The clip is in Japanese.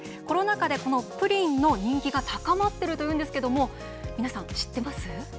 コロナ禍でこのプリンの人気が高まっているというんですけれども、皆さん、知ってます？